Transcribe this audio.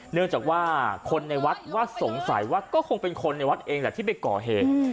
เนื่องจากว่าคนในวัดว่าสงสัยว่าก็คงเป็นคนในวัดเองแหละที่ไปก่อเหตุ